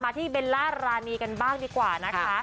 ที่เบลล่ารานีกันบ้างดีกว่านะคะ